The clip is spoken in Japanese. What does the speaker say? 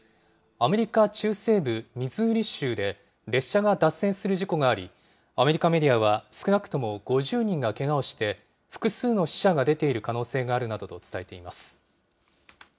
アメリカ中西部ミズーリ州で列車が脱線する事故があり、アメリカメディアは少なくとも５０人がけがをして、複数の死者が出ている可能性があるなどと伝えています。